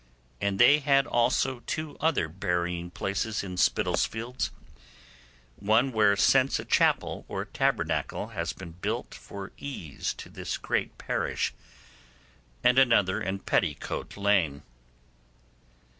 And they had also two other burying places in Spittlefields, one where since a chapel or tabernacle has been built for ease to this great parish, and another in Petticoat Lane.